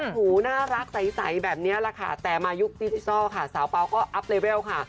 ฮัดหูน่ารักใสแบบเนี้ยแหละค่ะแต่มายุคติดซ่อสาวเปาล์ก็อัพเลเวลค่ะ